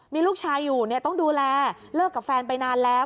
มีลูกชายอยู่ต้องดูแลเลิกกับแฟนไปนานแล้ว